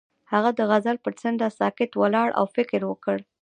هغه د غزل پر څنډه ساکت ولاړ او فکر وکړ.